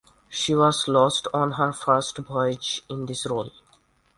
She was lost on her first voyage in this role.